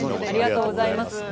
ありがとうございます。